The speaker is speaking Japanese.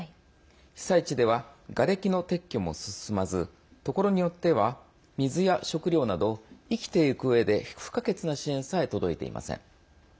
被災地ではがれきの撤去も進まずところによっては水や食料など生きていくうえで不可欠な支援さえ届いていません。